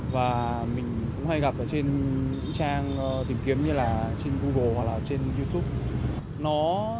và mình cũng hay gặp ở trên những trang tìm kiếm như là trên google hoặc là trên youtube nó